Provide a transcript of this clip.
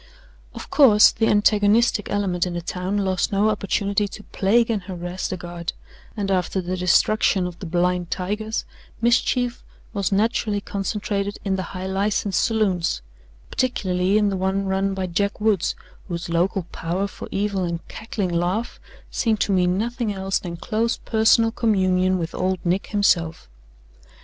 Of course, the antagonistic element in the town lost no opportunity to plague and harass the Guard, and after the destruction of the "blind tigers," mischief was naturally concentrated in the high license saloons particularly in the one run by Jack Woods, whose local power for evil and cackling laugh seemed to mean nothing else than close personal communion with old Nick himself.